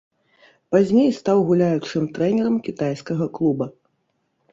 Пазней стаў гуляючым трэнерам кітайскага клуба.